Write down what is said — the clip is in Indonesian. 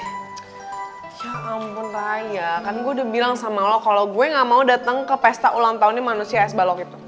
ampun raya kan gue udah bilang sama lo kalau gue gak mau datang ke pesta ulang tahunnya manusia es balok itu